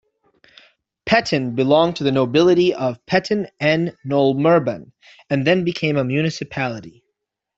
Petten belonged to the nobility of Petten en Nolmerban, and then became a municipality.